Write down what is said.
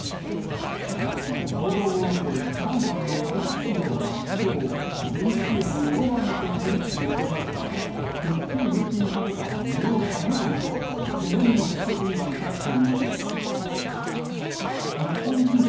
報道を受け、上海の株式市場はきょう、前日より値を上げて取り引きを終えましたが、日経平均株価は値を下げるなど、懸念の払拭には至っていません。